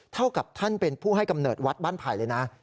เท่ากับท่านเป็นผู้ให้กำเนิดวัดบ้านไผ่เลยนะ